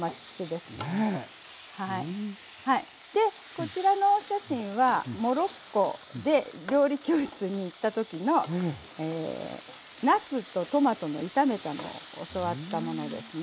こちらのお写真はモロッコで料理教室に行った時のなすとトマトの炒めたのを教わったものですね。